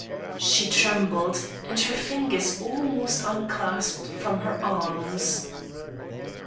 She trembled, and her fingers almost unclasped from her arms.